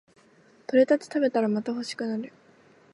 採れたて食べたらまた欲しくなる